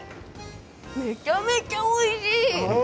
めちゃめちゃおいしい！